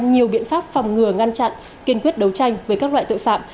nhiều biện pháp phòng ngừa ngăn chặn kiên quyết đấu tranh với các loại tội phạm